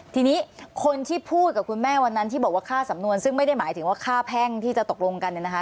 ทีนี้คนที่พูดกับคุณแม่วันนั้นที่บอกว่าค่าสำนวนซึ่งไม่ได้หมายถึงว่าค่าแพ่งที่จะตกลงกันเนี่ยนะคะ